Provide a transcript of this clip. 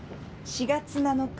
４月７日？